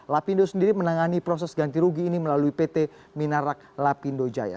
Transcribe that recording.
lapindo sendiri menangani proses ganti rugi ini melalui pt minarak lapindo jaya